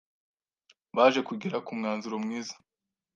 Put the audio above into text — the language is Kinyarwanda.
baje kugera ku mwanzuro mwiza